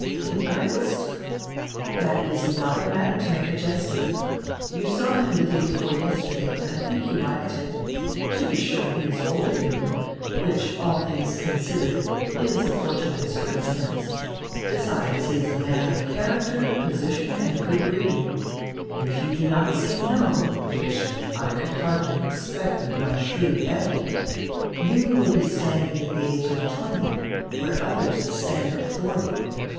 In earnest?" "That is not a matter to make a jest of. You saw him the day before yesterday and I think you liked him. To be sure, he is older than you, which, all tilings considered, is a fortunate circumstance. Besides, he is a man of char acter, position, and good breeding, and if you do not say 'no,' which I could hardly expect of my shrewd Effi, you will be standing at the age of twenty where others stand at forty.